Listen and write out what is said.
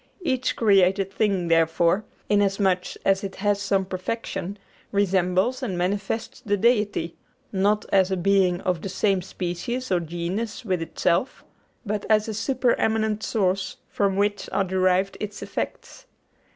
Each created thing, therefore, inasmuch as it has some perfection, resembles and manifests the Deity; not as a being of the same species or genus with itself, but as a supereminent source from which are derived its effects.